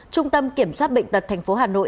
trung tâm kiểm soát bệnh tật tp hà nội